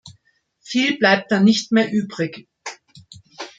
Viel bleibt dann nicht mehr übrig.